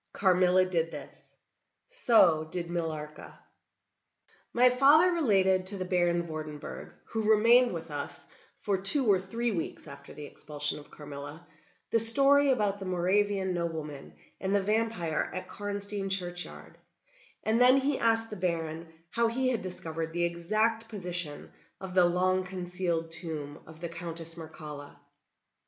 Carmilla did this; so did Millarca. My father related to the Baron Vordenburg, who remained with us for two or three weeks after the expulsion of Carmilla, the story about the Moravian nobleman and the vampire at Karnstein churchyard, and then he asked the Baron how he had discovered the exact position of the long concealed tomb of the Countess Mircalla?